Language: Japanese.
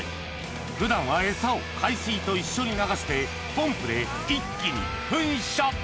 普段は餌を海水と一緒に流してポンプで一気に噴射！